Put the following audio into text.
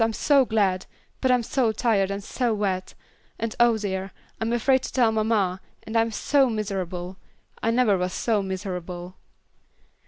I'm so glad, but I'm so tired and so wet, and oh dear I'm afraid to tell mamma, and I'm so miserable. I never was so miserable."